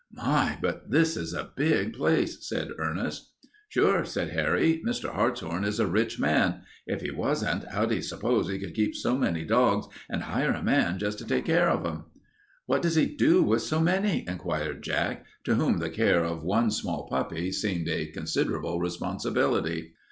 "My, but this is a big place," said Ernest. "Sure," said Harry. "Mr. Hartshorn is a rich man. If he wasn't, how do you s'pose he could keep so many dogs and hire a man just to take care of them?" "What does he do with so many?" inquired Jack, to whom the care of one small puppy seemed a considerable responsibility.